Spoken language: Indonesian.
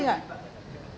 kamu mau operasi gak